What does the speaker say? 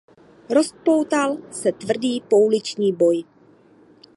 Rozpoutal se tvrdý pouliční boj.